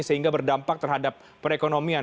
sehingga berdampak terhadap perekonomian